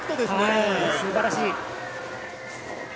すばらしい。